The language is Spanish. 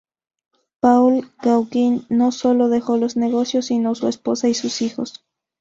Paul Gauguin no sólo dejó los negocios, sino a su esposa y sus hijos.